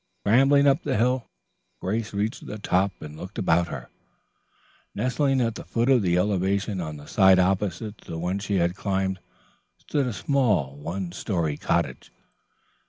Scrambling up the hill, Grace reached the top and looked about her. Nestling at the foot of the elevation on the side opposite to the one she had climbed stood a small one story cottage.